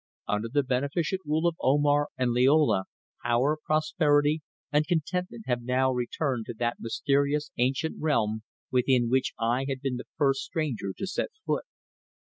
Under the beneficent rule of Omar and Liola power, prosperity and contentment have now returned to the mysterious ancient realm, within which I have been the first stranger to set foot.